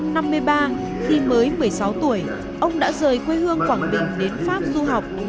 năm một nghìn chín trăm năm mươi ba khi mới một mươi sáu tuổi ông đã rời quê hương quảng bình đến pháp du học